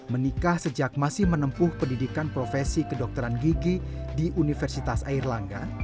menikah sejak masih menempuh pendidikan profesi kedokteran gigi di universitas airlangga